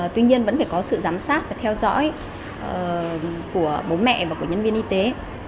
tuy nhiên vẫn phải có sự giám sát và theo dõi của bố mẹ và của nhân viên y tế